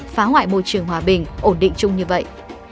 phá hoại môi trường hòa bình ổn định chung như vậy